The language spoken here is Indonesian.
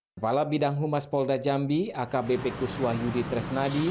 kepala bidang humas polda jambi akbp kuswah yudi tresnadi